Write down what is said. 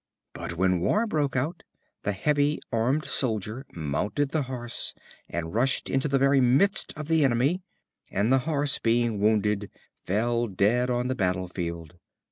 But when war broke out, the heavy armed soldier mounted the Horse, and rushed into the very midst of the enemy, and the Horse, being wounded, fell dead on the battle field.